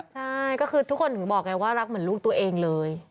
ใช่ก็คือทุกคนถึงบอกไงว่ารักเหมือนลูกตัวเองเลย